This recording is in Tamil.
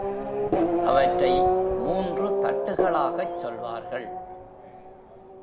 அவற்றை மூன்று தட்டுகளாகச் சொல்வார்கள்.